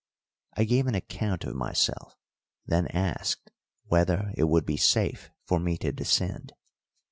I gave an account of myself, then asked whether it would be safe for me to descend.